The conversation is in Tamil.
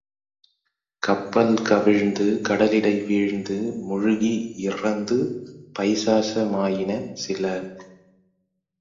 கப்பல் கவிழ்ந்து கடலிடை வீழ்ந்து முழுகி இறந்து பைசாச மாயின சில.